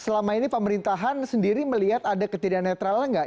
selama ini pemerintahan sendiri melihat ada ketidak netralnya nggak